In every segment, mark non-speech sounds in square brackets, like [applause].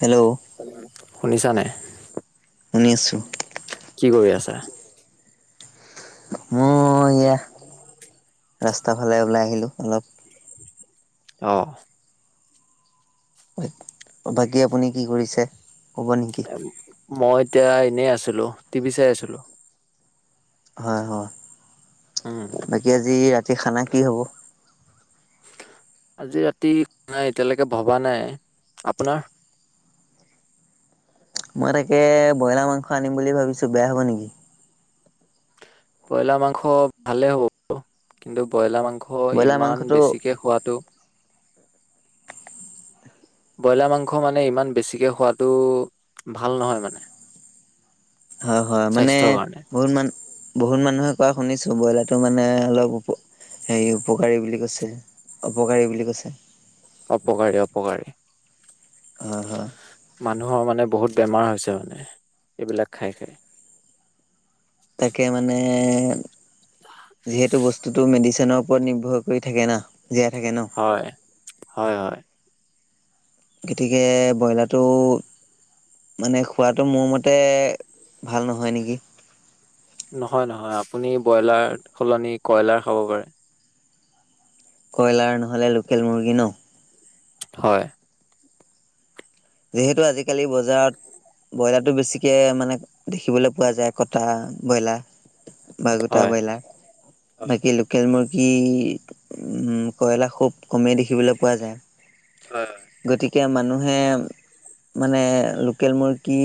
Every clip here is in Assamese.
হেল্ল'। শুনিছানে, শুনি আছো কি কৰি আছা? মই এয়া, ৰাস্তাৰ ফালে ওলাই আহিলোঁ অলপ। অ'। বাকী আপুনি কি কৰিছে, ক'ব নেকি? মই এতিয়া এনেই আছিলোঁ, টিভি চাই আছিলোঁ। হয় হয়। উম, বাকী আজি ৰাতি খানা কি হ'ব? আজি ৰাতি নাই এতিয়ালৈকে ভবা নাই, আপোনাৰ? মই তাকে ব্ৰইলাৰ মাংস আনিম বুলি ভাবিছোঁ বেয়া হ'ব নেকি। ব্ৰইলাৰ মাংস ভালে হ'ব [unintelligible] কিন্তু ব্ৰইলাৰ মাংস হয় ব্ৰইলাৰ ইমান মাংসটো বেছিকে খোৱাটো ব্ৰইলাৰ মাংস মানে ইমান বেছিকে খোৱাটো, ভাল নহয় মানে। হয় হয় মানে স্বাস্থ্যৰ কাৰণে [unintelligible] বহুত মানুহে কোৱা শুনিছোঁ ব্ৰইলাৰটো মানে অলপ উপ, হেৰি উপকাৰী বুলি কৈছে। অপকাৰী বুলি কৈছে। অপকাৰী অপকাৰী। [unintelligible] মানুহৰ মানে বহুত বেমাৰ হৈছে মানে, এইবিলাক খাই খাই। তাকে মানে যিহেতু বস্তুটো মেডিচিনৰ ওপৰত নিৰ্ভৰ কৰি থাকে না, জীয়াই থাকে ন'। হয়, হয় হয়। গতিকে ব্ৰইলাৰটো মানে খোৱাটো মোৰ মতে, ভাল নহয় নেকি। নহয় নহয় আপুনি ব্ৰইলাৰ সলনি কয়লাৰ খাব পাৰে। কইলাৰ নহ'লে লোকেল মুৰ্গী ন'। হয়। যিহেতু আজিকালি বজাৰত ব্ৰইলাৰটো বেছিকে মানে দেখিবলৈ পোৱা যায় কটা ব্ৰইলাৰ। বা গোটা হয় বইলাৰ। হয় বাকী লোকেল মুৰ্গী উম, কয়লাৰ খুব কমেই দেখিবলৈ পোৱা যায়। হয় গতিকে মানুহে মানে লোকেল মুৰ্গী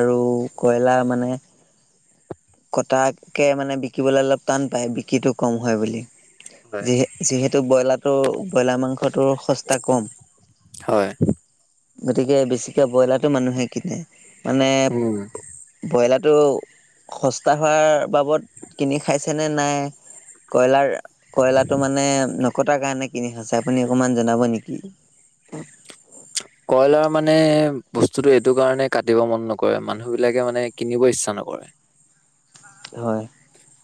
আৰু কয়লাৰ মানে কটাকে মানে বিকিবলে অলপ টান পায় বিকিটো কম হয় বুলি। হয় যিহে যিহেতু ব্ৰইলাৰটো ব্ৰইলাৰ মাংসটো সস্তা কম। হয়। গতিকে বেছিকৈ ব্ৰইলাৰটো মানুহে কিনে, মানে উম ব্ৰইলাৰটো সস্তা হোৱাৰ বাবদ কিনি খাইছে নে নাই, কইলাৰ কয়লাৰটো মানে নকটাৰ কাৰণে কিনি খাইছে আপুনি অকমান জনাব নেকি। কয়লাৰ মানে বস্তুটো এইটো কাৰণে কাটিব মন নকৰে মানুহবিলাকে মানে কিনিব ইচ্ছা নকৰে। হয়।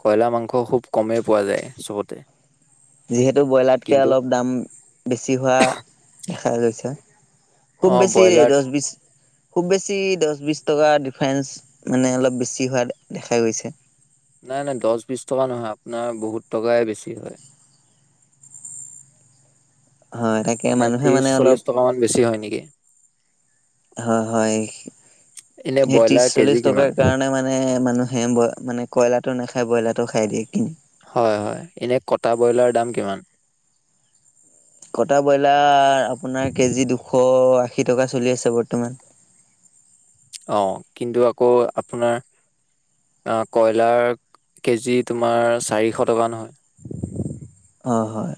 কয়লাৰ মাংস খুব কমেই পোৱা যায় চবতে। যিহেতু ব্ৰইলাৰতকে কিন্তু অলপ দাম বেছি হোৱা দেখা গৈছে। অ খুব বেছি ব্ৰইলাৰ দহ বিছ খুব বেছি দচ বিশ টকা ডিফাৰেঞ্চ মানে অলপ বেছি হোৱা দেখা গৈছে। নাই নাই দচ বিশ টকা নহয় আপোনাৰ বহুত টকাই বেছি হয়। হয় তাকে, মানুহে ত্ৰিশ মানে চল্লিশ অলপ- টকা মান বেছি হয় নেকি হয় হয়, এনে এই ব্ৰইলাৰ ত্ৰিশ কেজি চল্লিশ কিমান টকাৰ কাৰণে মানে- মানে মানুহে ব মানে কইলাৰটো নাখায় ব্ৰইলাৰ টো খাই দিয়ে কিন- হয় হয়, এনেই কটা ব্ৰইলাৰ দাম কিমান? কটা ব্ৰইলাৰ আপোনাৰ কেজি দুশ আশী টকা চলি আছে বৰ্তমান। অঁ, কিন্তু আকৌ আপোনাৰ- অঁ কয়লাৰ কেজি তোমাৰ চাৰিশ টকা নহয়। অঁ হয়।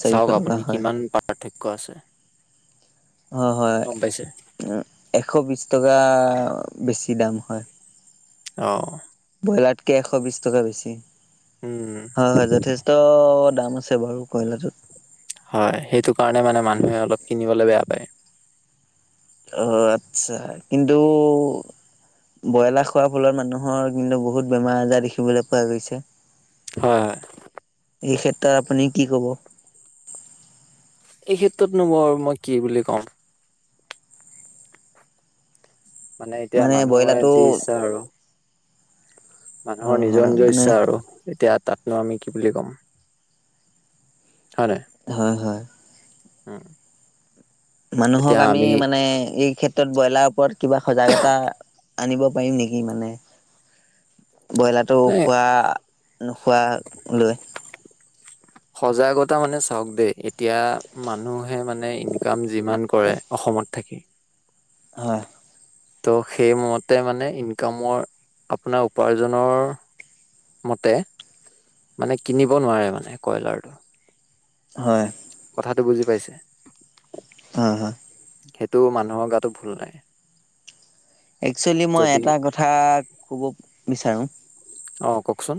চাৰিশ চাওক টকা আপুনি হয় কিমান পাৰ্থক্য আছে। অঁ হয়, গম পাইছে এশ বিছ টকা বেছি দাম হয়। অঁ' ব্ৰইলাৰতকে এশ বিশ টকা বেছি উম, হয় হয় যথেছ- ত দাম আছে বাৰু কয়লাৰটোত। হয়, সেইটো কাৰণে মানে মানুহে অলপ কিনিবলে বেয়া পায়।। অ' আৎচ্ছা কিন্তু, ব্ৰইলাৰ খোৱাৰ ফলত মানুহৰ কিন্তু বহুত বেমাৰ আজাৰ দেখিবলৈ পোৱা গৈছে। হয় হয়। এই ক্ষেত্ৰত আপুনি কি ক'ব? এই ক্ষেত্ৰতনো মৰ মই কি বুলি কম। মানে এতিয়া মানুহে যি ইচ্ছা আৰু। মানুহৰ হয় নিজৰ হয় নিজৰ মানে ইচ্ছা আৰু এতিয়া তাতনো আমি কি বুলি ক'ম। হয়নাই। হয় হয়। উম' মানুহক আমি মানে এই খেত- তত ব্ৰইলাৰ ওপৰত কিবা সজাগতা আনিব পাৰিম নেকি মানে। ব্ৰইলাৰটো মানে খোৱা নোখোৱা লৈ। [unintelligible] সজাগতা মানে চাওক দেই এতিয়া মানুহে মানে ইনকাম যিমান কৰে- অসমত থাকি। হয়। ত' সেই মতে মানে ইনকামৰ আপোনাৰ উপাৰ্জনৰ- মতে মানে কিনিব নোৱাৰে মানে কয়লাৰটো। হয়। কথাটো বুজি পাইছে। হাঁ হাঁ। সেইটো মানুহৰ গাতো ভুল নাই। একচুৱেলি মই যদি এটা কথা কব বিচাৰোঁ। অঁ কওকচোন।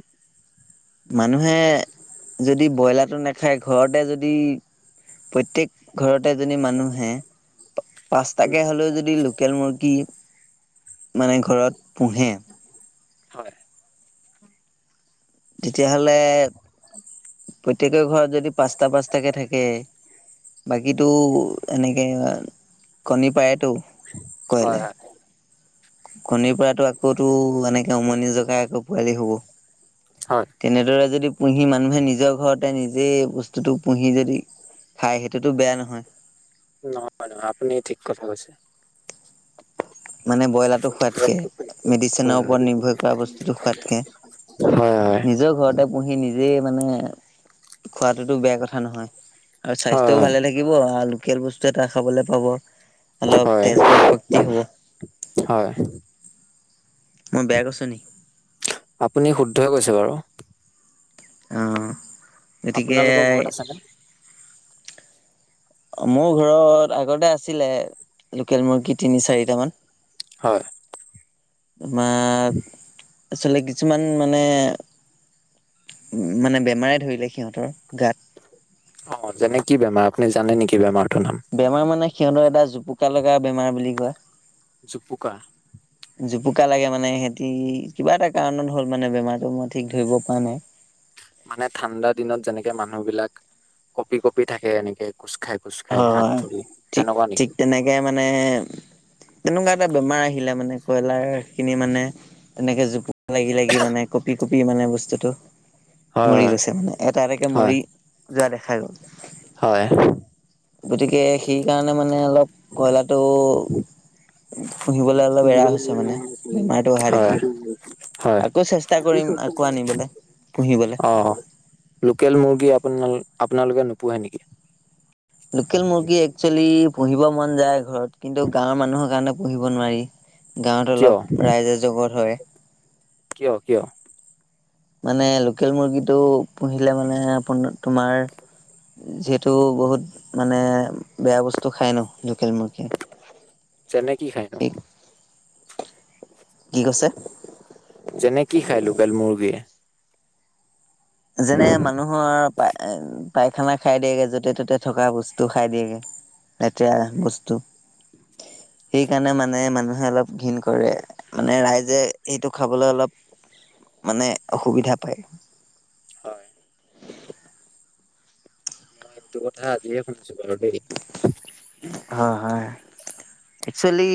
মানুহে যদি ব্ৰইলাৰটো নাখায় ঘৰতে যদি- প্ৰয়তেক ঘৰতে এজনী মানুহে- উম পাঁচটাকে হ'লও যদি লোকেল মুৰ্গী মানে ঘৰত পোঁহে- হয়। তেতিয়াহলে প্ৰত্যেকৰ ঘৰত যদি পাঁচটা পাঁচটাকে থাকে- বাকীটো এনেকে কণী পায়তো। হয় হয়। কণীৰ পৰাতো আকৌতো এনেকে উমনি জকাই আকৌ পোৱালি হব। হয়। তেনেদৰে যদি পুহি মানুহে নিজৰ ঘৰতে নিজেই বস্তুটো পুহি যদি খাই সেইটোতো বেয়া নহয়। নহয় নহয়, আপুনি ঠিক কথা কৈছে। মানে ব্ৰইলাৰটো খোৱাতকে, মেডিচিনৰ হয় ওপৰত নিৰ্ভৰ কৰা বস্তুটো খোৱাতকে হয় নিজৰ ঘৰতে পুহি নিজেই মানে খোৱাতোতো বেয়া কথা নহয় আৰু স্বাস্থ্যও হয় ভালে থাক কিব আৰু লোকেল বস্তু এটা খাবলে পাব। অলপ হয় তেজ বল শক্তি হ'ব হয়। মই বেয়া কৈছোঁ নি? আপুনি শুদ্ধই কৈছে বাৰু। অ, গতিকে আপোনালোকৰ ঘৰত আছেনে অ মোৰ ঘৰত আগতে আছিলে লোকেল মুৰ্গী তিনি - চাৰিটামান। হয়। বা আচলতে কিছুমান মানে উম মানে বেমাৰে ধৰিলে সিহঁতৰ গাত অ যেনে কি বেমাৰ আপুনি জানে নেকি বেমাৰটোৰ নাম? বেমাৰ মানে সিহঁতৰ এটা জোপুকা লগা বেমাৰ বুলি কয়। জুপুকা। জোপুকা লাগে মানে সিহঁতি কিবা এটা কাৰণত হ'ল মানে বেমাৰটো মই ঠিক ধৰিব পৰা নাই। মানে ঠাণ্ডা দিনত যেনেকে মানুহবিলাক কপি - কপি থাকে এনেকে। কোজ খাই কোজ খাই হাত - ভৰি তেনেকুৱা নেকি? কে মানে তেনেকুৱা এটা বেমাৰ আহিলে মানে কইলাৰখিনি মানে তেনেকে জোপ লাগি লাগি মানে কঁপি কপি মানে বস্তুটো মৰি হয় গৈছে মানে এটা এটাকে হয় মৰি যোৱা দেখা গ'ল। হয়। গতিকে সেই কাৰণে মানে অলপ কইলাৰটো পুহিবলৈ অলপ এৰা হৈছে মানে বেমাৰটো অহা হয় দেখি। হয় হয় আ কৌ চেষ্টা কৰিম আকৌ আনিবলে পুহিবলে। অ লোকেল মুৰ্গী আপোনাল - আপোনালোকে নোপোহে নেকি? লোকেল মুৰ্গী একচুৱেলী পহিব মন যায় ঘৰত কিন্তু গাঁৱৰ মানুহৰ কাৰণে পুহিব নোৱাৰি। গাঁৱত কিয় অলপ ৰাইজে জগত হয়। কিয় কিয়? মানে লোকেল মুৰ্গীটো পুহিলে মানে আপোন তোমাৰ যিহেতু বহুত মানে বেয়া বস্তু খাই ন লোকেল মূৰ্গী। যেনে কি খাই ন? কি কৈছে? যেনে কি খাই লোকেল মুৰ্গীয়ে? যেনে মানুহৰ পাই - পাইখানা খাই দিয়েগে য'তে - ত'তে থকা বস্তু খাই দিয়েগে। লেতেৰা বস্তু সেইকাৰণে মানে মানুহে অলপ ঘিণ কৰে। মানে ৰাইজে সেইটো খাবলৈ অলপ মানে অসুবিধা পায়। হয়। মই এইটো কথা আজিয়ে শুনছো বাৰু দেই। হ, হয়। একচুৱেলি,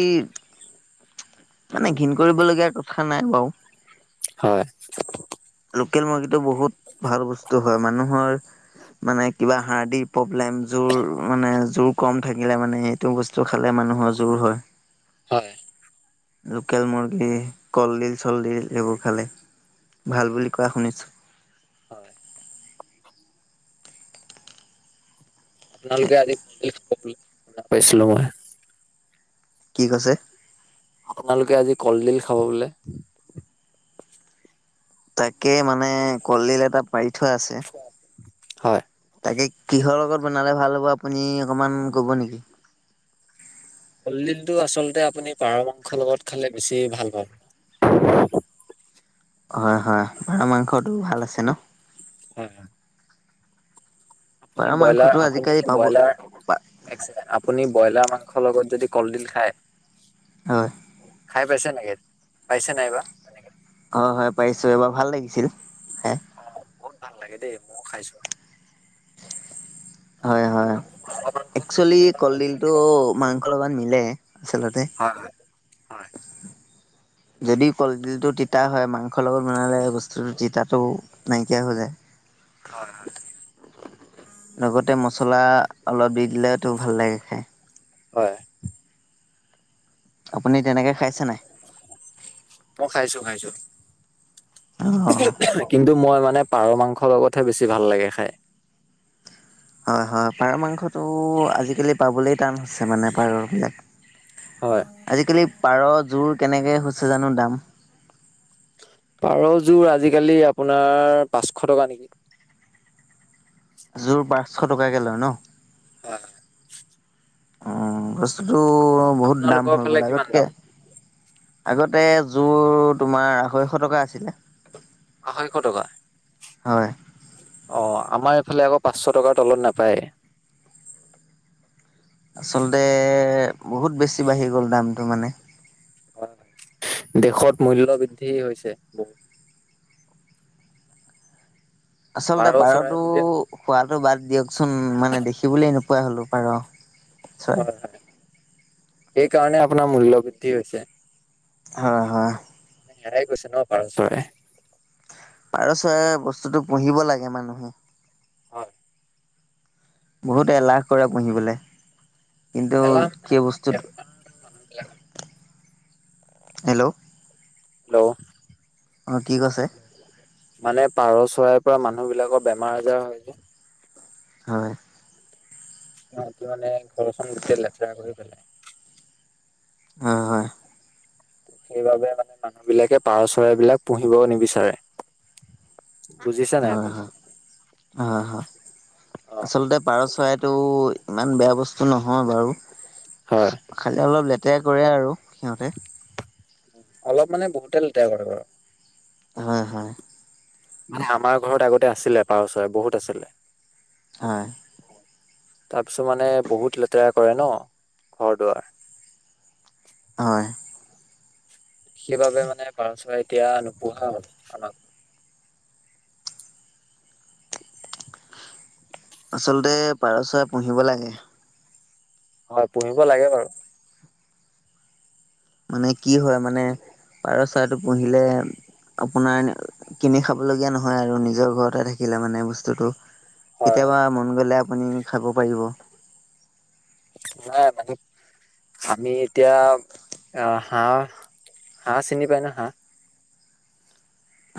মানে ঘীণ কৰিবলগীয়া কথা নাই বাউ। হয়। লোকেল মুৰ্গীটো বহুত ভাল বস্তু হয়, মানুহৰ মানে কিবা হাৰ্ডি প্ৰব্লেম, জোৰ মানে জোৰ কম থাকিলে মানে, সেইটো বস্তু খালে মানুহৰ জোৰ হয়। হয়। লোকেল মুৰ্গী, কলডিল চলডিল এইবোৰ খালে, হয় ভাল বুলি কোৱা শুনিছোঁ। হয়। আপোনালোকে আজি [unintelligible] পাইছিলোঁ মই। কি কৈছে? আপোনালোকে আজি কলডিল খাব বোলে? তাকেই মানে কলডিল এটা পাৰি থোৱা আছে। হয়। তাকে কিহৰ লগত বনালে ভাল হ'ব, আপুনি অকমান ক'ব নেকি? কলডিলটো আচলতে আপুনি পাৰ মাংস লগত খালে বেছি ভাল পাব। হয়, হয়, পাৰ মাংসটো ভাল আছে ন! হয়, হয়। পাৰ মাংসটো আপুনি-ব্ৰইলাৰ আজিকালি পাব আপুনি-ব্ৰইলাৰ একচেকেন্ড আপুনি ব্ৰইলাৰ মাংসৰ লগত যদি কলডিল খায়, হয়। খাই পাইছে এনেকে? পাইছে নাই বা? অ', হয় পাৰিছো, এইবাৰ ভাল লাগিছিল। হে অ', বহুত ভাল লাগে দেই, ময়ো খাইছোঁ। [inaudible] হয়, হয়। কিন্তু পাৰ মাংস হয় একচুৱেলি কলডিলটো মাংস লগত মিলে, আচলতে হয় হয় যদি কলডিলটো তিতা হয় মাংসৰ লগত বনালে, বস্তুটো তিতাটো নাইকিয়া হৈ যায়। হয়, হয়। লগতে মছলা অলপ দি দিলেতো ভাল লাগে খাই। হয়। আপুনি তেনেকে খাইছে নাই? মই খাইছোঁ-খাইছোঁ। অঁ [unintelligible] কিন্তু মই মানে পাৰ মাংসৰ লগতহে বেছি ভাল লাগে খাই। হয়, হয়, পাৰ মাংসতো আজিকালি পাবলৈয়ে টান হৈছে মানে পাৰবিলাক। হয় আজিকালি পাৰযোৰ কেনেকৈ হৈছে জানো দাম? পাৰযোৰ আজিকালি আপোনাৰ, পাঁচশ টকা নেকি! যোৰ পাঁচশ টকাকে লয় ন? অহ, [unintelligible] উম, বস্তুটো বহুত দাম আপোনালোকৰ হৈ ফালে গ'ল কিমান আগতকে দাম আগতে যোৰ তোমাৰ আঢ়ৈশ টকা আছিলে। আঢ়ৈশ টকা? হয় অ', আমাৰ এইফালে আকৌ পাঁচশ টকাৰ তলত নাপায়। আচলতে বহুত বেছি বাঢ়ি গ'ল দামটো মানে। [inaudible] দেশত মূল্য বৃদ্ধি হৈছে বহুত। পাৰ আচলতে চৰাই পাৰটো বুলিয়ে নহয় খোৱাটো বাদ দিয়কচোন মানে দেখিবলৈ নোপোৱা হলো পাৰ'। চৰাই হয়, হয়, সেই কাৰণে আপোনাৰ মূল্য বৃদ্ধি হৈছে। হয়, হয়,। হেৰাই গৈছে ন' পাৰ চৰাই? পাৰ' চৰাই বস্তুটো পুহিব লাগে মানুহে। হয়। বহুতে এলাহ কৰে পুহিবলে, কিন্তু এলাহ সেই বস্তুত মানুহ বিলাকৰ হেল্ল', হেল্ল' অঁ, কি কৈছে? মানে পাৰ' চৰাইৰ পৰা মানুহ বিলাকৰ বেমাৰ আজাৰ হয় যে হয়। অ হিহঁতি মানে ঘৰখন গোতেই লেতেৰা কৰি পেলাই। হয়, হয়। সেইবাবে মানে মানুহবিলাকে পাৰ' চৰাইবিলাক পুহিব নিবিচাৰে। বুজিছে? নাই হয়, আপুনি হয়, হয়, হয়, অ আচলতে পাৰ চৰাইত টো ইমান বেয়া বস্তু নহয় বাৰু। হয় খালি অলপ লেতেৰা কৰে আৰু সিহঁতে। অলপ মানে বহুতে লেতেৰা কৰে ঘৰত। হয়, হয়। মানে আমাৰ ঘৰত আগতে আছিলে পাৰ' চৰাই বহুত আছিলে। হয়। তাৰপিছত মানে বহুত লেতেৰা কৰে ন ঘৰ দুৱাৰ। হয়। সেইবাবে মানে পৰা চৰাই এতিয়া নোপোহা হল আমাৰ। আচলতে পাৰ চৰাই পুহিব লাগে। হয় পুহিব লাগে বাৰু। মানে কি হয় মানে পাৰ চৰাটো পুহিলে আপোনাৰ কিনি খাবলগীয়া নহয় আৰু নিজৰ ঘৰতে থাকিলে মানে বস্তুটো, হয় হয় কেতিয়াবা মন গ'লে আপুনি খাব পাৰিব। নাই [unintelligible] আমি এতিয়া আ, হাঁহ-হাঁহ চিনি পাই না হাঁহ?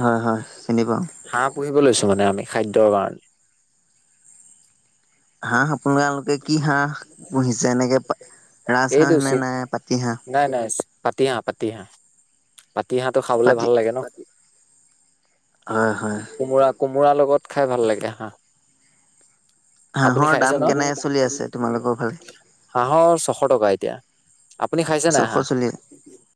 হয় হয় চিনি পাওঁ। হাঁহ পুহিব লৈছোঁ মানে আমি খাদ্যৰ কাৰণে। হাঁহ আপোনালোকে কি হাঁহ পুহিছে? এনেকে ৰাজ হাঁহ এইটো নে চি নে পাতি হাঁহ? নাই নাই পাতিহাঁহ পাতিহাঁহ, পাতিহাঁহটো খাবলে পাতি ভাল লাগে ন। হয় হয়। কোমোৰা কোমোৰা লগত খাই ভাল লাগে হাঁহ। আপুনি হাঁহৰ দাম খাইছে ন? কেনে চলি আছে তোমালোকৰ ফালে [inaudible] হাঁহৰ ছশ টকা এতিয়া, আপুনি খাইছে নাই ছশ হাঁহ? চলি